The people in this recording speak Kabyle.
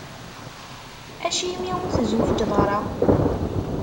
Acimi ur tezwiǧeḍ ara?